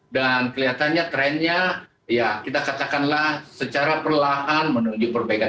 dan kelihatannya trennya ya kita katakanlah secara perlahan menuju perbaikan